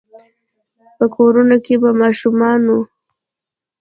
په کورونو کې به ماشومانو،